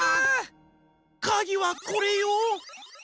かぎはこれよ！